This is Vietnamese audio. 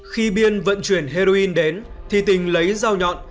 khi biên vận chuyển heroin đến thì tình lấy dao nhọn